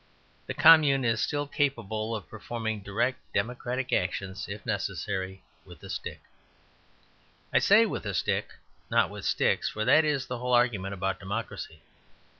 The Commune is still capable of performing direct democratic actions, if necessary, with a stick. I say with a stick, not with sticks, for that is the whole argument about democracy.